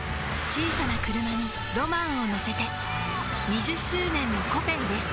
小さなクルマにロマンをのせて２０周年の「コペン」です